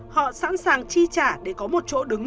họ sẵn sàng chi trả để có một chỗ đứng